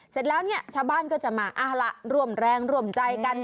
เสร็จแล้วเนี่ยชาวบ้านก็จะมาละร่วมแรงร่วมใจกัน